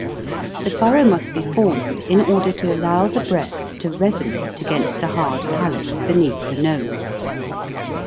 The furrow must be formed in order to allow the breath to resonate against the hard palate beneath the nose.